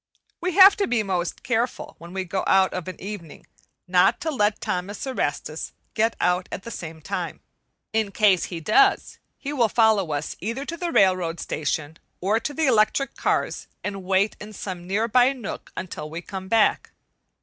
We have to be most careful when we go out of an evening, not to let Thomas Erastus get out at the same time. In case he does, he will follow us either to the railroad station or to the electric cars and wait in some near by nook until we come back.